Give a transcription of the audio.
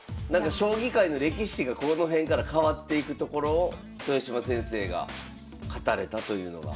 将棋界の歴史がこの辺から変わっていくところを豊島先生が勝たれたというのが。